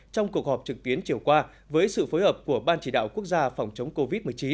trong cuộc họp trực tuyến chiều qua với sự phối hợp của ban chỉ đạo quốc gia phòng chống covid một mươi chín